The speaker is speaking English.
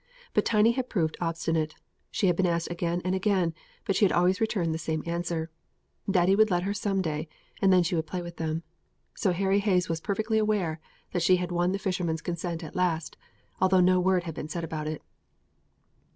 But Tiny had proved obstinate. She had been asked again and again, but she had always returned the same answer: "Daddy would let her some day, and then she would play with them." So Harry Hayes was perfectly aware that she had won the fisherman's consent at last, although no word had been said about it.